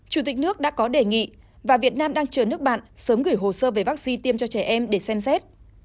chủ tịch nước đã có đề nghị và việt nam đang chờ nước bạn sớm gửi hồ sơ về vaccine tiêm cho trẻ em để xem xét